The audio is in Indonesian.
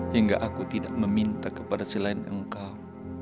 hingga aku tidak meminta kepada selain engkau